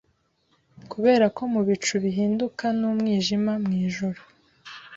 Kuberako mubicu bihinduka numwijima Mwijoro